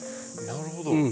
なるほど。